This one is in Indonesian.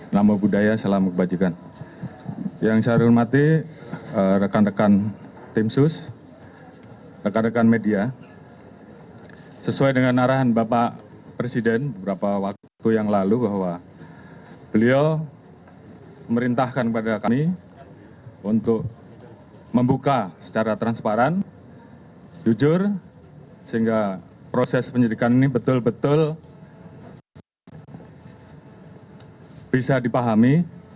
rekan rekan tim sus rekan rekan media sesuai dengan arahan bapak presiden beberapa waktu yang lalu bahwa beliau memerintahkan kepada kami untuk membuka secara transparan jujur sehingga proses penyelidikan ini betul betul bisa dipahami